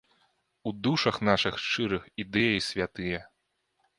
У душах нашых шчырых ідэі святыя.